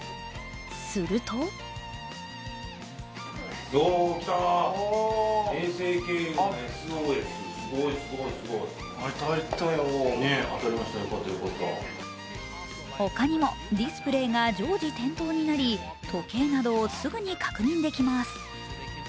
するとほかにもディスプレーが常時点灯なり、時計などをすぐに確認できます。